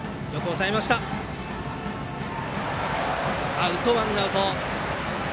アウト、ワンアウト。